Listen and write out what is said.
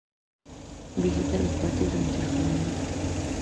Visita los parches de encharcamiento.